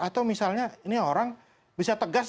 atau misalnya ini orang bisa tegas nggak sih